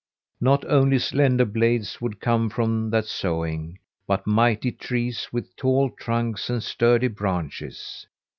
Not only slender blades would come from that sowing, but mighty trees with tall trunks and sturdy branches.